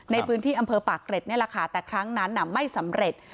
ในพื้นที่อำเภอปากเกร็ดนี่แหละค่ะแต่ครั้งนั้นไม่สำเร็จ